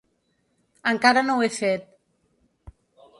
Encara no ho he fet.